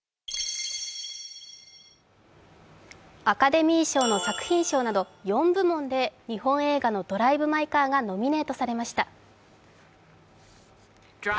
アカデミー賞の作品賞など４部門で日本映画の「ドライブ・マイ・カー」がノミネートされました。